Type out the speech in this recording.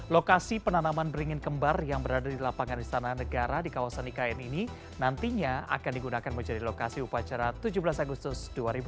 lokasi penanaman beringin kembar yang berada di lapangan istana negara di kawasan ikn ini nantinya akan digunakan menjadi lokasi upacara tujuh belas agustus dua ribu dua puluh